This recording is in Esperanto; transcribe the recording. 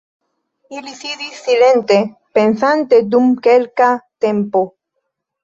Ili sidis silente pensante dum kelka tempo.